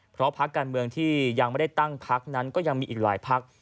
เพราะพักการเมืองที่ยังไม่ได้ตั้งพักนั้นก็ยังมีอีกหลายพัก